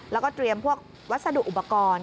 แล้วก็เตรียมพวกวัสดุอุปกรณ์